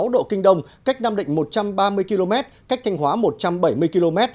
một trăm linh bảy sáu độ kinh đông cách nam định một trăm ba mươi km cách thanh hóa một trăm bảy mươi km